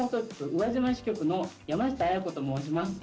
宇和島市局の山下文子と申します。